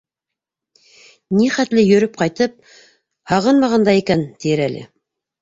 Ни хәтле йөрөп ҡайтып, һағынмаған да икән, тиер әле.